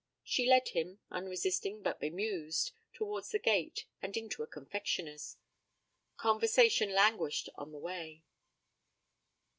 She led him, unresisting but bemused, towards the gate, and into a confectioner's. Conversation languished on the way.